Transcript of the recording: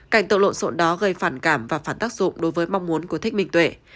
cảnh tự lộn xộn đó gây phản cảm và phản tác dụng đối với mong muốn của thích minh tuệ